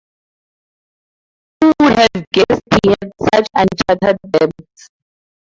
Who would have guessed he had such uncharted depths?